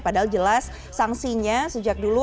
padahal jelas sanksinya sejak dulu